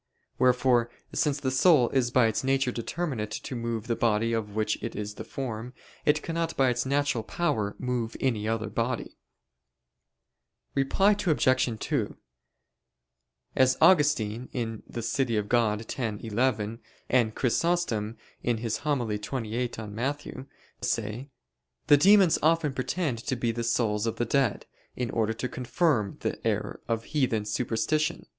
Wherefore, since the soul is by its nature determinate to move the body of which it is the form, it cannot by its natural power move any other body. Reply Obj. 2: As Augustine (De Civ. Dei x, 11) and Chrysostom (Hom. xxviii in Matt.) say, the demons often pretend to be the souls of the dead, in order to confirm the error of heathen superstition.